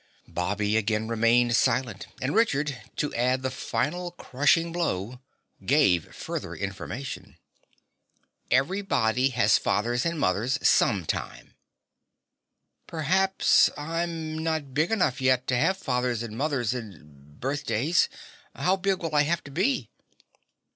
Bobby again remained silent and Richard, to add the final, crushing blow, gave further information. "Everybody has fathers and mothers, some time." "P'raps I'm not big enough yet to have fathers and mothers and birthdays. How big will I have to be?"